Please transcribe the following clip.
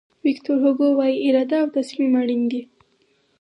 ویکتور هوګو وایي اراده او تصمیم اړین دي.